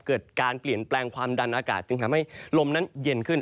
เกิดการเปลี่ยนแปลงความดันอากาศจึงทำให้ลมนั้นเย็นขึ้น